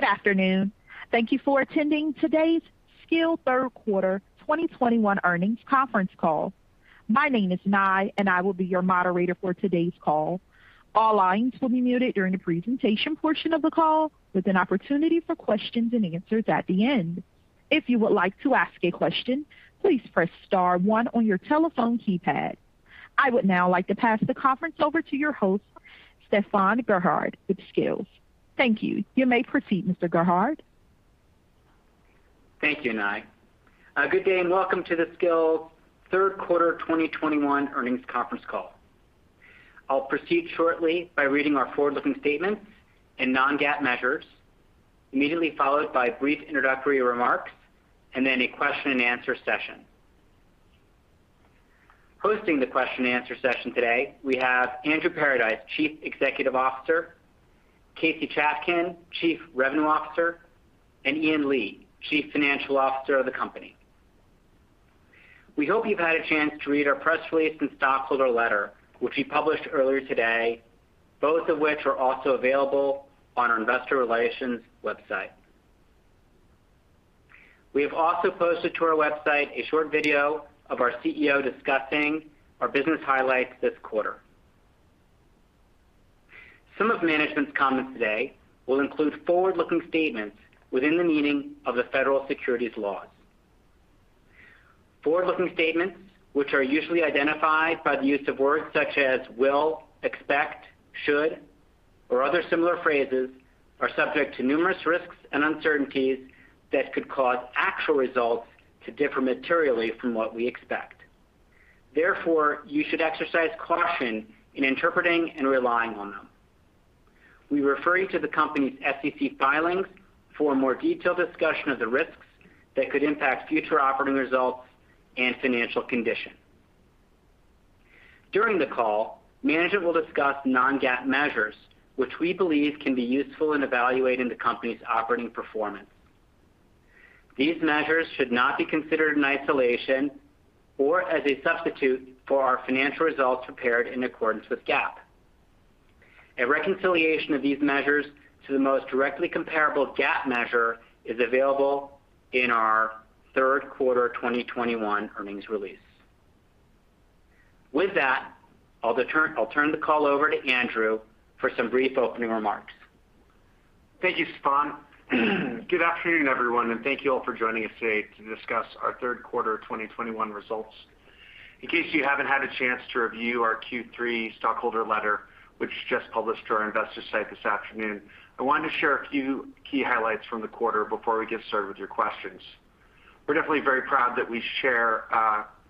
Good afternoon. Thank you for attending today's Skillz Third Quarter 2021 Earnings Conference Call. My name is Nai, and I will be your moderator for today's call. All lines will be muted during the presentation portion of the call, with an opportunity for questions-and-answers at the end. If you would like to ask a question, please press star one on your telephone keypad. I would now like to pass the conference over to your host, Stefan Gerhard with Skillz. Thank you. You may proceed, Mr. Gerhard. Thank you, Nai. Good day and welcome to the Skillz Third Quarter 2021 Earnings Conference Call. I'll proceed shortly by reading our forward-looking statements and non-GAAP measures, immediately followed by brief introductory remarks and then a question-and-answer session. Hosting the question-and-answer session today, we have Andrew Paradise, Chief Executive Officer; Casey Chafkin, Chief Revenue Officer; and Ian Lee, Chief Financial Officer of the company. We hope you've had a chance to read our press release and stockholder letter, which we published earlier today, both of which are also available on our investor relations website. We have also posted to our website a short video of our CEO discussing our business highlights this quarter. Some of management's comments today will include forward-looking statements within the meaning of the federal securities laws. Forward-looking statements, which are usually identified by the use of words such as will, expect, should or other similar phrases, are subject to numerous risks and uncertainties that could cause actual results to differ materially from what we expect. Therefore, you should exercise caution in interpreting and relying on them. We refer you to the company's SEC filings for a more detailed discussion of the risks that could impact future operating results and financial condition. During the call, management will discuss non-GAAP measures, which we believe can be useful in evaluating the company's operating performance. These measures should not be considered in isolation or as a substitute for our financial results prepared in accordance with GAAP. A reconciliation of these measures to the most directly comparable GAAP measure is available in our third quarter 2021 earnings release. With that, I'll turn the call over to Andrew for some brief opening remarks. Thank you, Stefan. Good afternoon, everyone, and thank you all for joining us today to discuss our third quarter 2021 results. In case you haven't had a chance to review our Q3 stockholder letter, which just published to our investor site this afternoon, I wanted to share a few key highlights from the quarter before we get started with your questions. We're definitely very proud that we share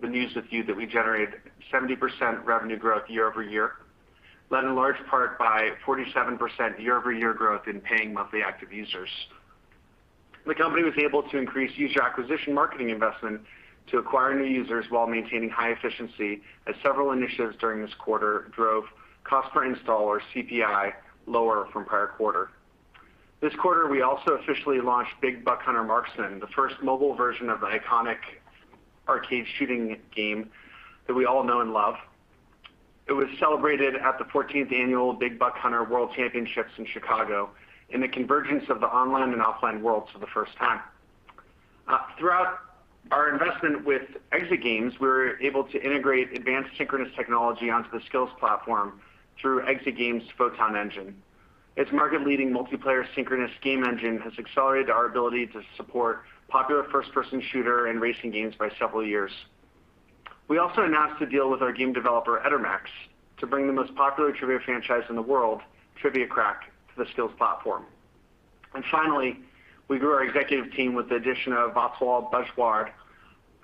the news with you that we generated 70% revenue growth year-over-year, led in large part by 47% year-over-year growth in paying monthly active users. The company was able to increase user acquisition marketing investment to acquire new users while maintaining high efficiency as several initiatives during this quarter drove cost per install or CPI lower from prior quarter. This quarter, we also officially launched Big Buck Hunter: Marksman, the first mobile version of the iconic arcade shooting game that we all know and love. It was celebrated at the 14th annual Big Buck Hunter World Championship in Chicago in the convergence of the online and offline worlds for the first time. Throughout our investment with Exit Games, we were able to integrate advanced synchronous technology onto the Skillz platform through Exit Games' Photon Engine. Its market-leading multiplayer synchronous game engine has accelerated our ability to support popular first-person shooter and racing games by several years. We also announced a deal with our game developer, Etermax, to bring the most popular trivia franchise in the world, Trivia Crack, to the Skillz platform. Finally, we grew our executive team with the addition of Vatsal Bhardwaj,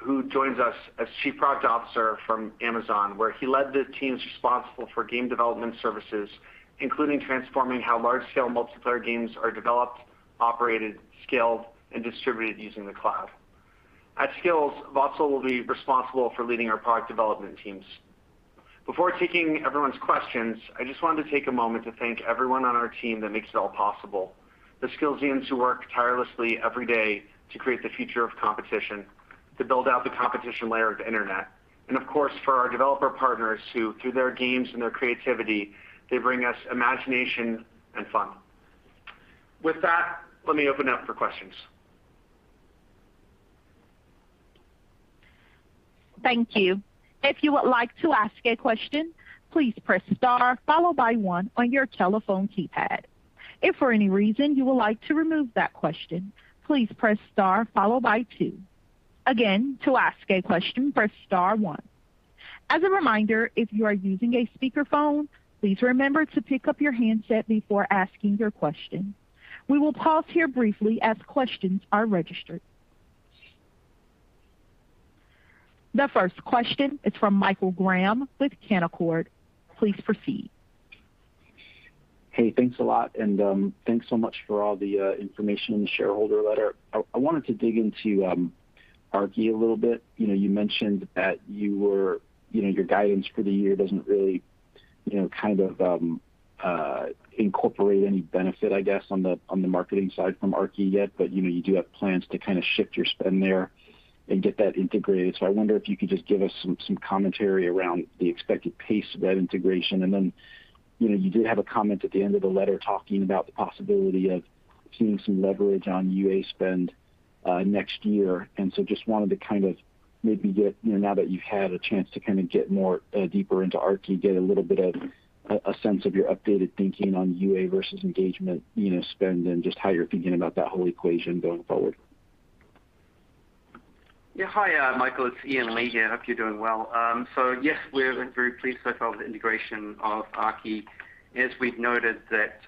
who joins us as Chief Product Officer from Amazon, where he led the teams responsible for game development services, including transforming how large-scale multiplayer games are developed, operated, scaled, and distributed using the cloud. At Skillz, Vatsal will be responsible for leading our product development teams. Before taking everyone's questions, I just wanted to take a moment to thank everyone on our team that makes it all possible. The Skillzians who work tirelessly every day to create the future of competition, to build out the competition layer of the Internet, and of course, for our developer partners who, through their games and their creativity, they bring us imagination and fun. With that, let me open up for questions. Thank you. If you would like to ask a question, please press star followed by one on your telephone keypad. If for any reason you would like to remove that question, please press star followed by two. Again, to ask a question, press star one. As a reminder, if you are using a speakerphone, please remember to pick up your handset before asking your question. We will pause here briefly as questions are registered. The first question is from Michael Graham with Canaccord. Please proceed. Hey, thanks a lot. Thanks so much for all the information in the shareholder letter. I wanted to dig into Aarki a little bit. You know, you mentioned that your guidance for the year doesn't really, you know, kind of, incorporate any benefit, I guess, on the, on the marketing side from Aarki yet. You know, you do have plans to kind of shift your spend there and get that integrated. I wonder if you could just give us some commentary around the expected pace of that integration. Then, you know, you did have a comment at the end of the letter talking about the possibility of seeing some leverage on UA spend next year. Just wanted to kind of maybe get, you know, now that you've had a chance to kind of get more deeper into Aarki, get a little bit of a sense of your updated thinking on UA versus engagement, you know, spend, and just how you're thinking about that whole equation going forward. Yeah. Hi, Michael, it's Ian Lee here. Hope you're doing well. Yes, we're very pleased so far with the integration of Aarki. As we've noted that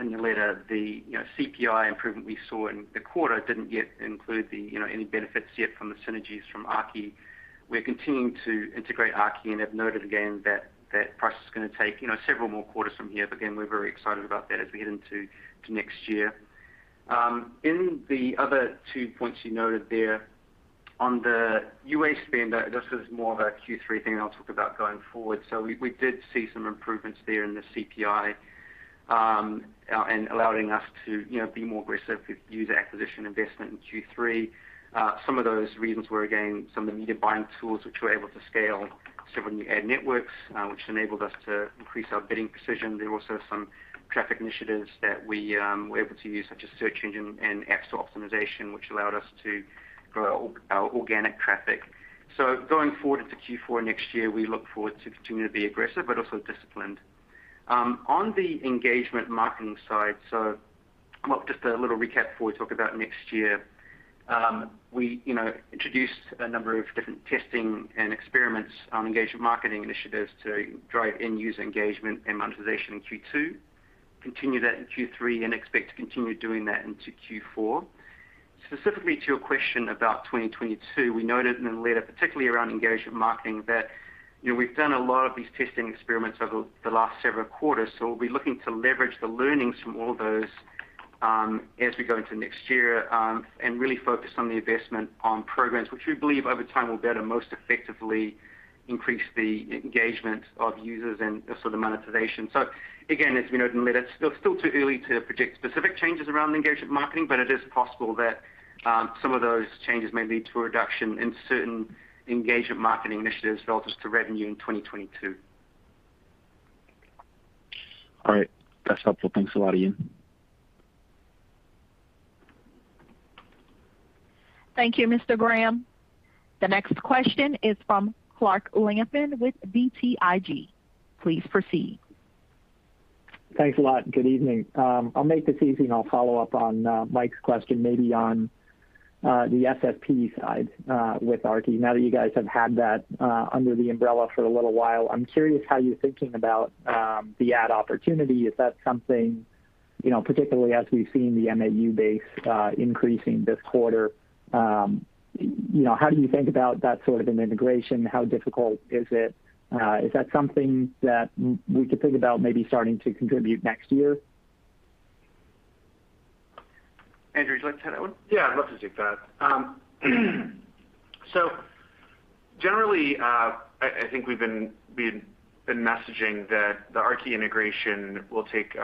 in the letter, you know, CPI improvement we saw in the quarter didn't yet include you know, any benefits yet from the synergies from Aarki. We're continuing to integrate Aarki and have noted again that process is gonna take you know, several more quarters from here. Again, we're very excited about that as we head into next year. In the other two points you noted there on the UA spend, this was more of a Q3 thing I'll talk about going forward. We did see some improvements there in the CPI and allowing us to you know, be more aggressive with user acquisition investment in Q3. Some of those reasons were, again, some of the needed buying tools which we're able to scale, several new ad networks, which enabled us to increase our bidding precision. There were also some traffic initiatives that we were able to use, such as search engine and app store optimization, which allowed us to grow our organic traffic. Going forward into Q4 next year, we look forward to continuing to be aggressive but also disciplined. On the engagement marketing side, well, just a little recap before we talk about next year. We, you know, introduced a number of different testing and experiments on engagement marketing initiatives to drive end user engagement and monetization in Q2, continue that in Q3, and expect to continue doing that into Q4. Specifically to your question about 2022, we noted in the letter, particularly around engagement marketing, that, you know, we've done a lot of these testing experiments over the last several quarters. We'll be looking to leverage the learnings from all those, as we go into next year, and really focus on the investment on programs which we believe over time will better, most effectively increase the engagement of users and sort of monetization. Again, as we noted in the letter, it's still too early to predict specific changes around engagement marketing, but it is possible that, some of those changes may lead to a reduction in certain engagement marketing initiatives relative to revenue in 2022. All right. That's helpful. Thanks a lot, Ian. Thank you, Mr. Graham. The next question is from Clark Lampen with BTIG. Please proceed. Thanks a lot. Good evening. I'll make this easy, and I'll follow up on Mike's question, maybe on the DSP side, with Aarki. Now that you guys have had that under the umbrella for a little while, I'm curious how you're thinking about the ad opportunity. Is that something, you know, particularly as we've seen the MAU base increasing this quarter, you know, how do you think about that sort of an integration? How difficult is it? Is that something that we could think about maybe starting to contribute next year? Andrew, would you like to take that one? Yeah, I'd love to take that. Generally, I think we've been messaging that the Aarki integration will take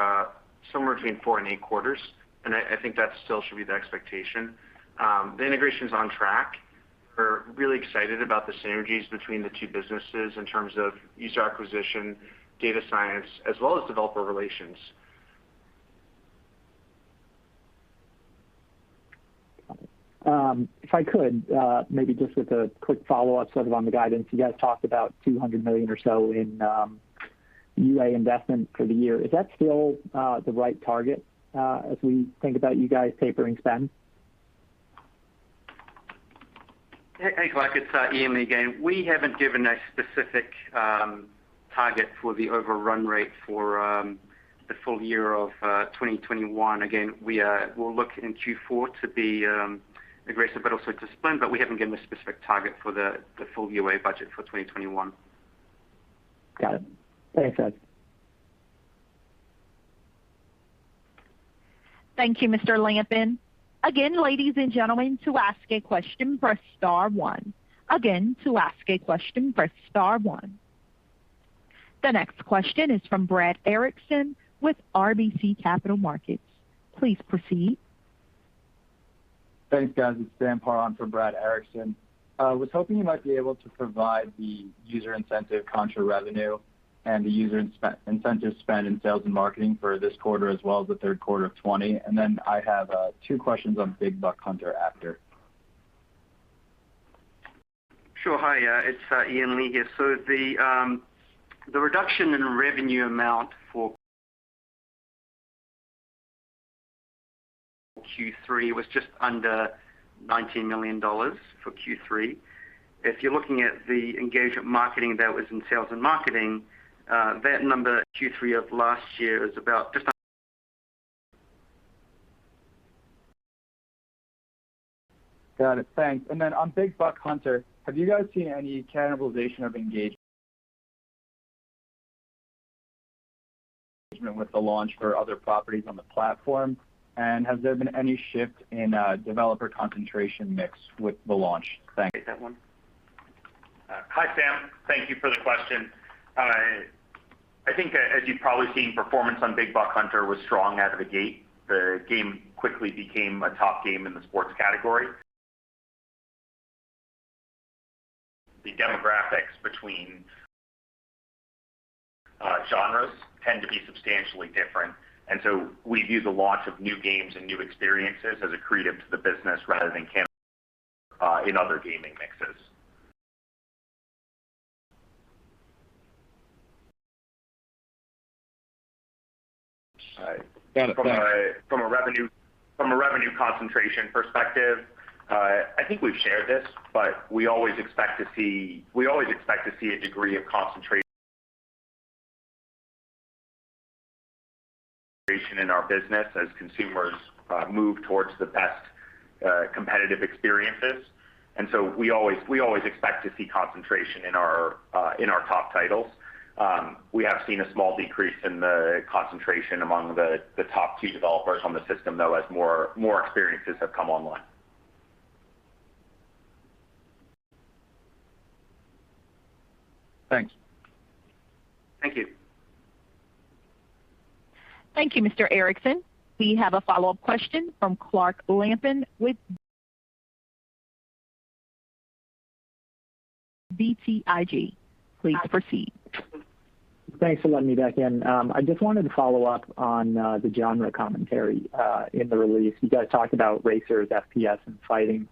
somewhere between four and eight quarters, and I think that still should be the expectation. The integration is on track. We're really excited about the synergies between the two businesses in terms of user acquisition, data science, as well as developer relations. If I could, maybe just with a quick follow-up sort of on the guidance, you guys talked about $200 million or so in UA investment for the year. Is that still the right target, as we think about you guys tapering spend? Hey, Clark, it's Ian Lee again. We haven't given a specific target for the overrun rate for the full year of 2021. Again, we will look in Q4 to be aggressive but also disciplined. We haven't given a specific target for the full UA budget for 2021. Got it. Thanks, guys. Thank you, Mr. Lampen. Again, ladies and gentlemen, to ask a question, press star one. Again, to ask a question, press star one. The next question is from Brad Erickson with RBC Capital Markets. Please proceed. Thanks, guys. It's Dan Parr on for Brad Erickson. Was hoping you might be able to provide the user incentive contra revenue and the user incentive spend in sales and marketing for this quarter as well as the third quarter of 2020. I have two questions on Big Buck Hunter after. Sure. Hi, it's Ian Lee here. The reduction in revenue amount for Q3 was just under $19 million for Q3. If you're looking at the engagement marketing, that was in sales and marketing, that number Q3 of last year is about just- Got it. Thanks. On Big Buck Hunter, have you guys seen any cannibalization of engagement with the launch for other properties on the platform? Has there been any shift in developer concentration mix with the launch? Thanks. Take that one? Hi, Sam. Thank you for the question. I think as you've probably seen, performance on Big Buck Hunter was strong out of the gate. The game quickly became a top game in the sports category. The demographics between genres tend to be substantially different. We view the launch of new games and new experiences as accretive to the business rather than cannibalistic in other gaming mixes. All right. Got it. Thanks. From a revenue concentration perspective, I think we've shared this, but we always expect to see a degree of concentration in our business as consumers move towards the best competitive experiences. We always expect to see concentration in our top titles. We have seen a small decrease in the concentration among the top two developers on the system, though, as more experiences have come online. Thanks. Thank you. Thank you, Mr. Erickson. We have a follow-up question from Clark Lampen with BTIG. Please proceed. Thanks for letting me back in. I just wanted to follow up on the genre commentary in the release. You guys talked about racers, FPS, and fighting.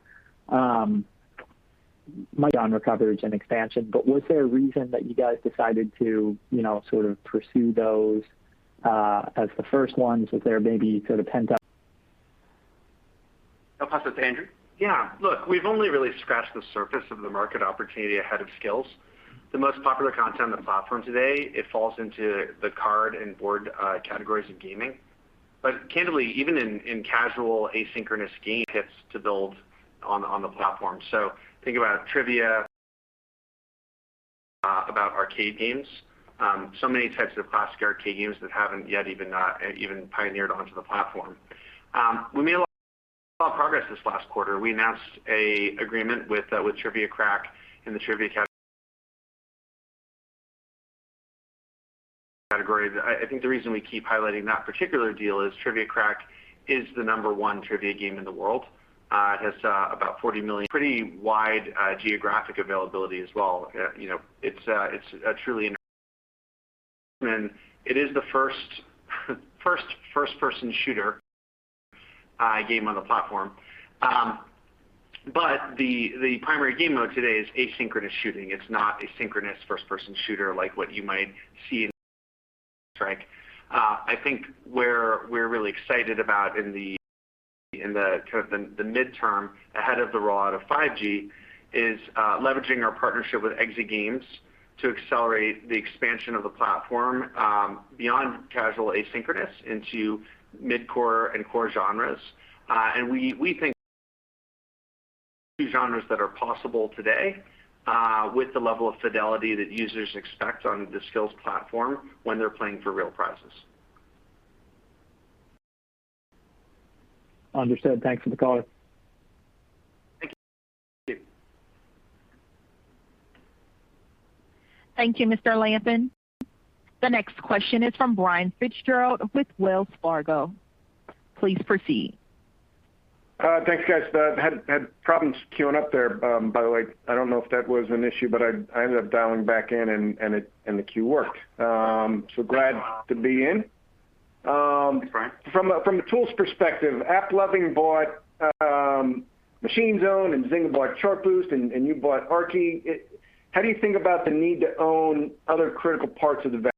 Genre coverage and expansion. Was there a reason that you guys decided to, you know, sort of pursue those as the first ones? Was there maybe sort of pent up- I'll pass it to Andrew. Yeah. Look, we've only really scratched the surface of the market opportunity ahead of Skillz. The most popular content on the platform today, it falls into the card and board categories of gaming. Candidly, even in casual asynchronous games to build on the platform. Think about trivia, about arcade games. Many types of classic arcade games that haven't yet even pioneered onto the platform. We made a lot of progress this last quarter. We announced an agreement with Trivia Crack in the trivia category. I think the reason we keep highlighting that particular deal is Trivia Crack is the number one trivia game in the world. It has about 40 million pretty wide geographic availability as well. You know, it's a truly It is the first-person shooter game on the platform. But the primary game mode today is asynchronous shooting. It's not a synchronous first-person shooter like what you might see in Counter-Strike. I think where we're really excited about in the midterm ahead of the rollout of 5G is leveraging our partnership with Exit Games to accelerate the expansion of the platform beyond casual asynchronous into mid-core and core genres. We think genres that are possible today with the level of fidelity that users expect on the Skillz platform when they're playing for real prizes. Understood. Thanks for the color. Thank you. Thank you, Mr. Lampen. The next question is from Brian Fitzgerald with Wells Fargo. Please proceed. Thanks, guys. Had problems queuing up there. By the way, I don't know if that was an issue, but I ended up dialing back in and it and the queue worked. Glad to be in. Thanks, Brian. From a tools perspective, AppLovin bought Machine Zone, and Zynga bought Chartboost, and you bought Aarki. How do you think about the need to own other critical parts of the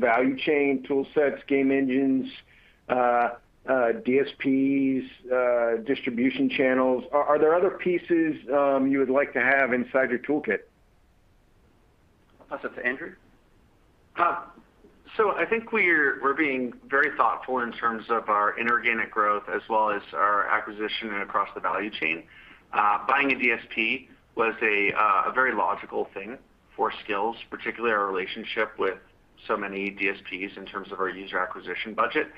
value chain tool sets, game engines, DSPs, distribution channels? Are there other pieces you would like to have inside your toolkit? I'll pass it to Andrew. I think we're being very thoughtful in terms of our inorganic growth as well as our acquisition across the value chain. Buying a DSP was a very logical thing for Skillz, particularly our relationship with so many DSPs in terms of our user acquisition budget.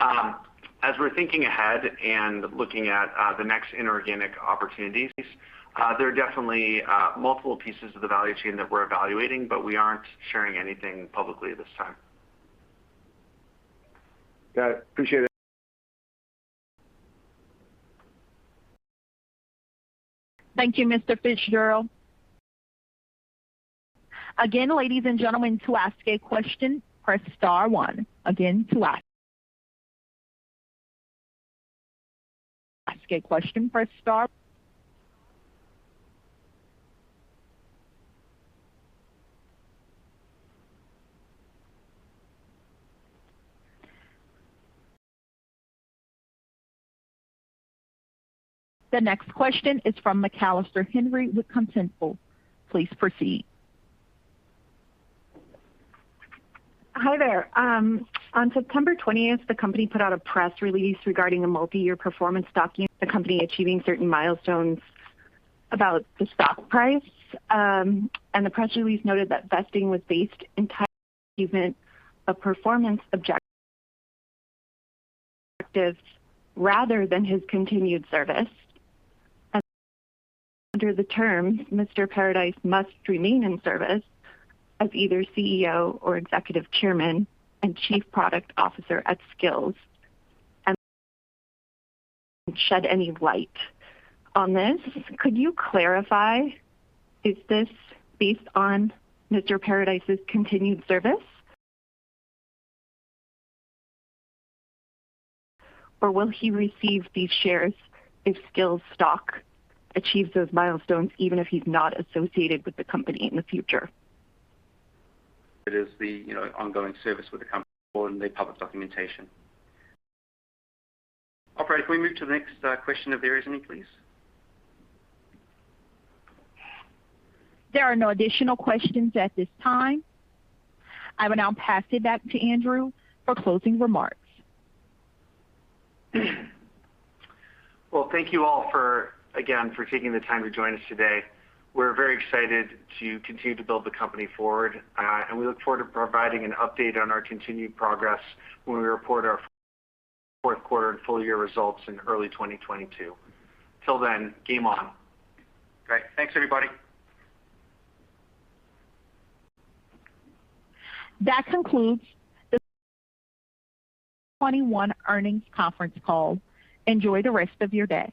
As we're thinking ahead and looking at the next inorganic opportunities, there are definitely multiple pieces of the value chain that we're evaluating, but we aren't sharing anything publicly at this time. Got it. Appreciate it. Thank you, Mr. Fitzgerald. Again, ladies and gentlemen, to ask a question, press star one. Again, to ask a question, press star. The next question is from MacAllistre Henry with Contentful. Please proceed. Hi, there. On September 20th, the company put out a press release regarding a multi-year performance document, the company achieving certain milestones about the stock price. The press release noted that vesting was based entirely on achievement of performance objectives rather than his continued service. Under the terms, Mr. Paradise must remain in service as either CEO or Executive Chairman and Chief Product Officer at Skillz. Shed any light on this. Could you clarify, is this based on Mr. Paradise's continued service? Or will he receive these shares if Skillz stock achieves those milestones, even if he's not associated with the company in the future? It is the, you know, ongoing service with the company in the public documentation. Operator, can we move to the next question if there is any, please? There are no additional questions at this time. I will now pass it back to Andrew for closing remarks. Well, thank you all for, again, for taking the time to join us today. We're very excited to continue to build the company forward, and we look forward to providing an update on our continued progress when we report our fourth quarter and full-year results in early 2022. Till then, game on. Great. Thanks, everybody. That concludes the 2021 earnings conference call. Enjoy the rest of your day.